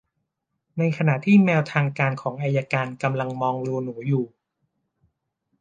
ในขณะที่แมวทางการของอัยการกำลังมองรูหนูอยู่